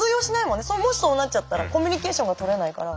もしそうなっちゃったらコミュニケーションがとれないから。